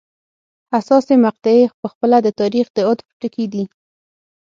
حساسې مقطعې په خپله د تاریخ د عطف ټکي دي.